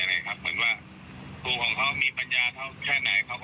หลังจากพบศพผู้หญิงปริศนาตายตรงนี้ครับ